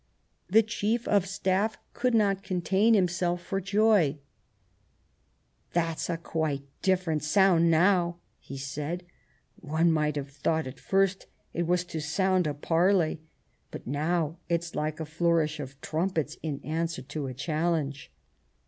The Chief of Staff could not contain himself for J03' ." That's a quite different sound now," he said ;" one might have thought at first it was to sound a parley ; but now it's like a flourish of trumpets in answer to a challenge."